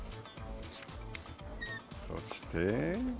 そして。